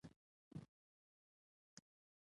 الماري د کتابتون اساس جوړوي